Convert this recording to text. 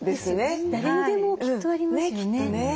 誰にでもきっとありますよね。